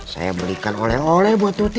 saya belikan oleh oleh buat tuti